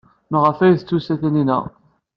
Maɣef ay d-tusa Taninna?